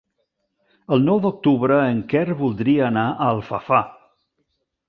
El nou d'octubre en Quer voldria anar a Alfafar.